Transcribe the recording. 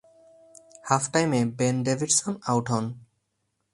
হাফটাইমে Ben Davidson out হন।